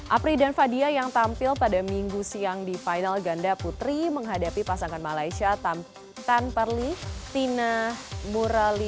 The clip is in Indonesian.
apri dan fadia yang tampil pada minggu siang di final ganda putri menghadapi pasangan malaysia tan perli tina murali